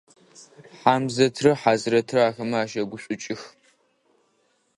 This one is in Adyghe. Хьамзэтрэ Хьазрэтрэ ахэмэ ащэгушӏукӏых.